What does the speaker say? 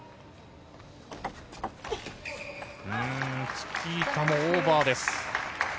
チキータもオーバーです。